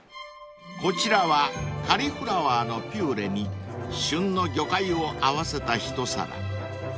［こちらはカリフラワーのピューレに旬の魚介を合わせた一皿］